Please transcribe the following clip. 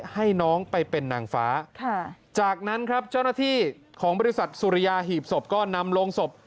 ให้น้องไปเป็นนางฟ้าจากนั้นครับเจ้าหน้าที่ของบริษัทสุริยาหีบศพก็นำโรงศพ